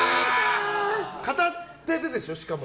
片手でしょ、しかも。